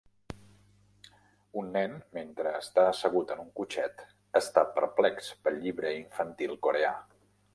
Un nen, mentre està assegut en un cotxet, està perplex pel llibre infantil coreà.